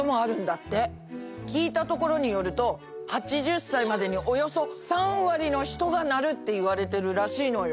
聞いたところによると８０歳までにおよそ３割の人がなるっていわれてるらしいのよ。